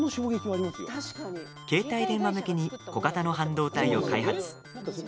携帯電話向けに小型の半導体を開発。